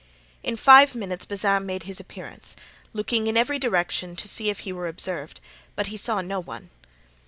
In five minutes Bazin made his appearance, looking in every direction to see if he were observed, but he saw no one.